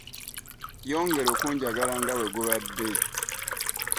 Yongera okunjagala nga bwe gubadde.